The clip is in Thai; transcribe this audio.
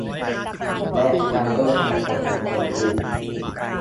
และการร่วมงานกับบุคคลอื่น